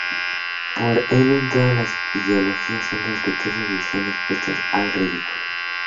Para Eun, todas las ideologías son sospechosas y están expuestas al ridículo.